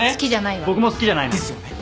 僕も好きじゃないな。ですよね。